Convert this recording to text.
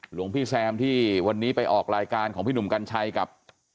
หลวงพี่แซมที่วันนี้ไปออกรายการของพี่หนุ่มกัญชัยกับ